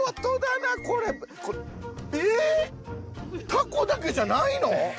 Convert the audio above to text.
タコだけじゃないの⁉